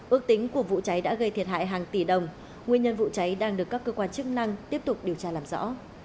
ước tính của vụ cháy đã gây thiệt hại hàng tỷ đồng nguyên nhân vụ cháy đang được các cơ quan chức năng tiếp tục điều tra làm rõ